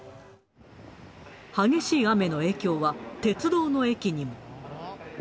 激しい雨の影響は、鉄道の駅にも。